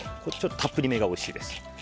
たっぷりめがおいしいです。